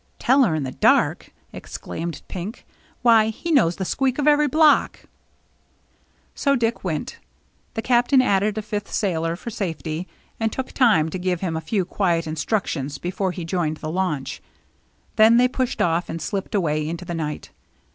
"Tell her in the dark!" exclaimed Pink. " Why, he knows the squeak of every block !" So Dick went. The Captain added a fifth sailor for safety, and took time to give him a few quiet instructions before he joined the launch. Then they pushed off and slipped away into the night.